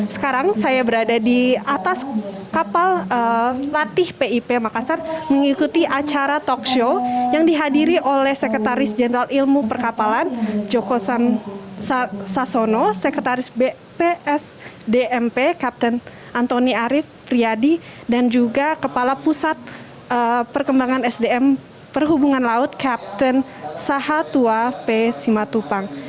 sekarang saya berada di atas kapal latih pip makassar mengikuti acara talkshow yang dihadiri oleh sekretaris jenderal ilmu perkapalan joko sassono sekretaris bps dmp kapten antoni arief priadi dan juga kepala pusat perkembangan sdm perhubungan laut kapten sahatua p simatupang